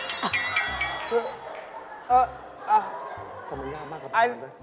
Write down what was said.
ถ้ามันยากมากก็พานเลย